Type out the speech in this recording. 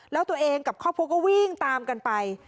แล้วตัวเองกับครอบครัวก็วิ่งตามกันไป